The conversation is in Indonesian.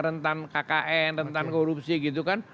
rentan kkn rentan korupsi gitu kan